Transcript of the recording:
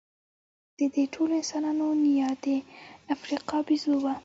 د دې ټولو انسانانو نیا د افریقا بیزو وه.